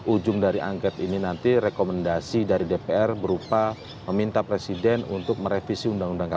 ujung dari angket ini nanti rekomendasi dari dpr berupa meminta presiden untuk merevisi undang undang kpk